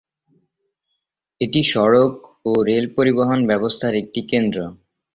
এটি সড়ক ও রেল পরিবহন ব্যবস্থার একটি কেন্দ্র।